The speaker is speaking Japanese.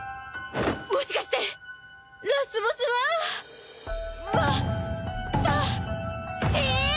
もしかしてラスボスはわたし！？